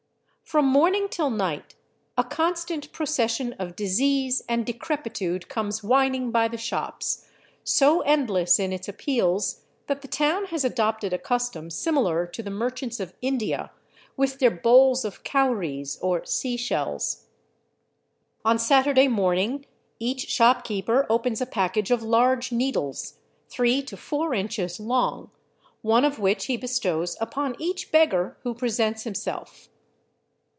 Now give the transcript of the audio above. From morning till night a constant procession of disease and decrepitude comes whining by the shops, so endless in its appeals that the town has adopted a custom similar to the merchants of India with their bowls of cowries, or sea shells. On Saturday morning each shopkeeper opens a package of large needles, three to four inches long, one of which he bestows upon each beggar who presents him self.